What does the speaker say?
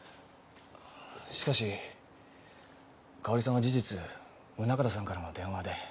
しかし佳保里さんは事実宗形さんからの電話で。